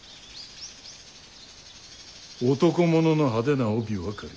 男物の派手な帯ばかり。